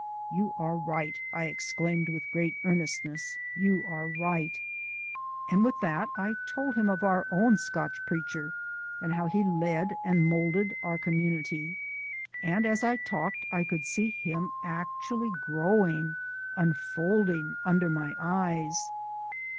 "You are right," I exclaimed with great earnestness; "you are right." And with that I told him of our own Scotch preacher and how he led and moulded our community; and as I talked I could see him actually growing, unfolding, under my eyes.